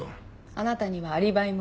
あなたにはアリバイもない。